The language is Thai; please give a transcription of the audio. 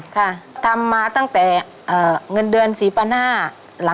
ค่ะทำมาตั้งแต่เงินเดือนศรีปนาศ